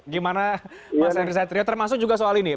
gimana mas henry satrio termasuk juga soal ini